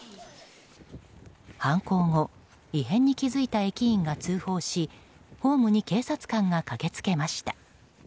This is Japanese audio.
犯行後異変に気付いた駅員が通報しホームに警察官が駆けつけました。